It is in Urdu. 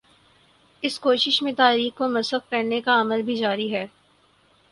اس کوشش میں تاریخ کو مسخ کرنے کا عمل بھی جاری ہے۔